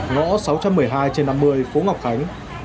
ngõ sáu trăm một mươi hai trên năm mươi phố ngọc khánh